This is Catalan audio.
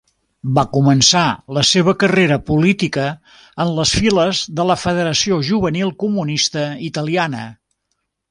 Va començar la seva carrera política en les Files de la Federació Juvenil Comunista Italiana.